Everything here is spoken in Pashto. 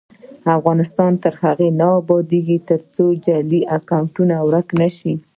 افغانستان تر هغو نه ابادیږي، ترڅو جعلي اکونټونه ورک نشي.